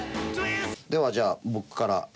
ではじゃあ僕から。